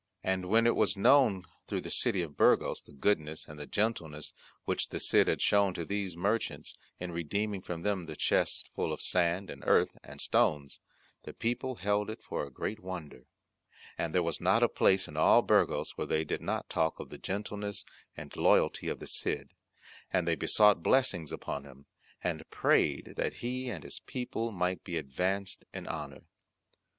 And when it was known through the city of Burgos the goodness and the gentleness which the Cid had shown to these merchants in redeeming from them the chests full of sand and earth and stones, the people held it for a great wonder, and there was not a place in all Burgos where they did not talk of the gentleness and loyalty of the Cid; and they besought blessings upon him, and prayed that he and his people might be advanced in honour.